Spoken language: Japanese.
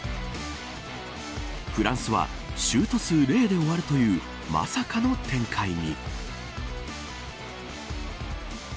フランスは、シュート数０で終わるという、まさかの展開に。